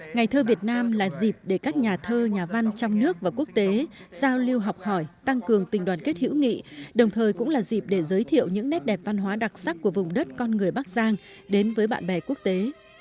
ngày thơ việt nam là dịp để các nhà thơ nhà văn trong nước và quốc tế giao lưu học hỏi tăng cường tình đoàn kết hữu nghị đồng thời cũng là dịp để giới thiệu những nét đẹp văn hóa đặc sắc của vùng đất con người bắc giang đến với bạn bè quốc tế